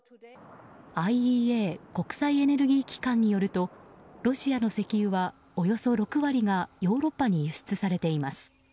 ＩＥＡ・国際エネルギー機関によるとロシアの石油はおよそ６割がヨーロッパに輸出されています。